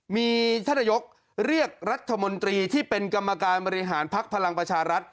มีท่านนายกเรียกรัฐมนตรีที่เป็นกรรมการบริหารภักดิ์พลังประชารัฐ